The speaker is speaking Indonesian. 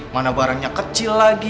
mana barangnya kecil lagi